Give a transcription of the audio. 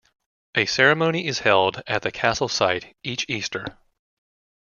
A ceremony is held at the castle site each Easter.